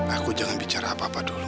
aku jangan bicara apa apa dulu